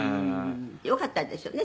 「よかったですよね